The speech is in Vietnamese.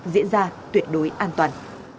diễn ra tuyệt đối an toàn